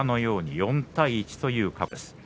４対１という過去です。